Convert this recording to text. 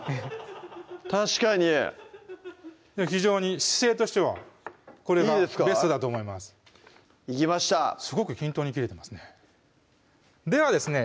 確かに非常に姿勢としてはこれがベストだと思いますいけましたすごく均等に切れてますねではですね